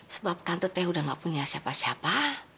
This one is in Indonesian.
sebab tante teh udah gak punya siapa siapa